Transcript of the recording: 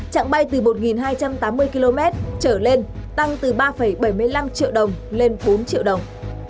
trạng bay từ một hai trăm tám mươi km trở lên tăng từ ba bảy mươi năm triệu đồng lên bốn triệu đồng